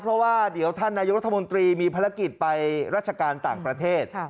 เพราะว่าเดี๋ยวท่านนายกรัฐมนตรีมีภารกิจไปราชการต่างประเทศ